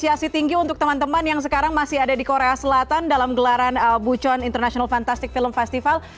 apresiasi tinggi untuk teman teman yang sekarang masih ada di korea selatan dalam gelaran bucon international fantastic film festival